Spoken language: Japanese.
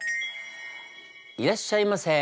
いらっしゃいませ。